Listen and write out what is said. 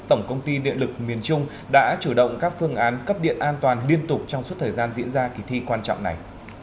tổng công ty điện lực miền trung đã chủ động các phương án cấp điện an toàn liên tục trong suốt thời gian diễn ra kỳ thi quan trọng này